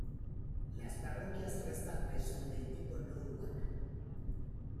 Las parroquias restantes son del tipo no urbana.